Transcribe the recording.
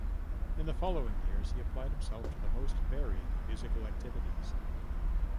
In the following years he applied himself to the most varied musical activities.